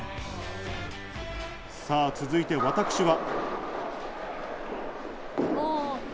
さぁ、続いて私は。